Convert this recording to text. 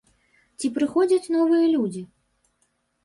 Ці прыходзяць новыя людзі?